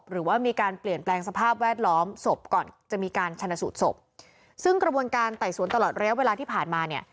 หรือว่ามีการเปลี่ยนแปลงสภาพแวดล้อมศพก่อนจะมีการชนะสูตรศพซึ่งกระบวนการไต่สวนตลอดระยะเวลาที่ผ่านมาเนี่ย